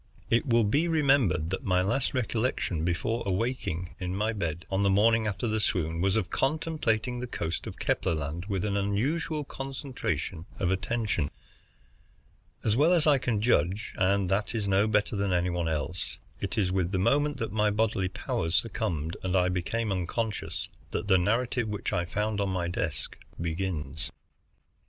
It will be remembered that my last recollection before awaking in my bed, on the morning after the swoon, was of contemplating the coast of Kepler Land with an unusual concentration of attention. As well as I can judge, and that is no better than any one else, it is with the moment that my bodily powers succumbed and I became unconscious that the narrative which I found on my desk begins.